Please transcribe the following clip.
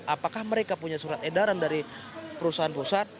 apakah mereka punya surat edaran dari perusahaan pusat